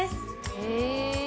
「へえ！」